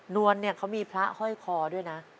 วลเนี่ยเขามีพระห้อยคอด้วยนะ